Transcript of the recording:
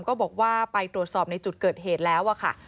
ก็บอกว่าไปตรวจสอบในจุดเกิดเหตุแล้วค่ะ